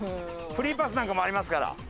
フリーパスなんかもありますから。